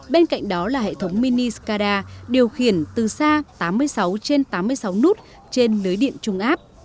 bên cạnh đó là hệ thống miniskada điều khiển từ xa tám mươi sáu trên tám mươi sáu nút trên lưới điện trung áp